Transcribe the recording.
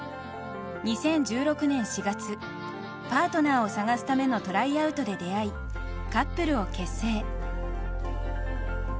２０１６年４月パートナーを探すためのトライアウトで出会いカップルを結成。